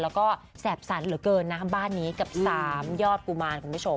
แล้วก็แสบสันเหลือเกินนะบ้านนี้กับ๓ยอดกุมารคุณผู้ชม